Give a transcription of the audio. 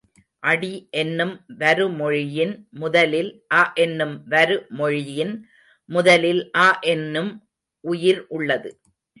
அடி என்னும் வருமொழியின் முதலில் அ என்னும் வரு மொழியின் முதலில் அ என்னும் உயிர் உள்ளது.